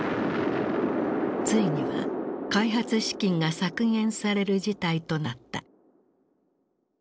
ついには開発資金が削減される事態となった。